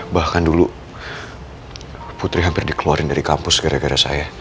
bahkan dulu putri hampir dikeluarin dari kampus gara gara saya